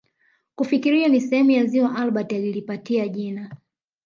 Kufikiria ni sehemu ya ziwa Albert alilipatia jina